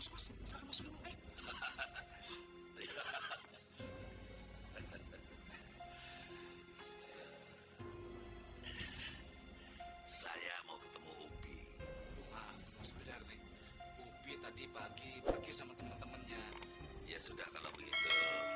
saya mau ketemu upi maaf mas badar upi tadi pagi pergi sama temen temennya ya sudah kalau begitu